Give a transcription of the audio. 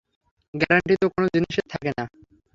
Guarantee তো কোন জিনিসের থাকে না।